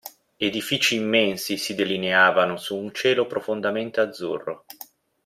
Edifici immensi si delineavano su un cielo profondamente azzurro.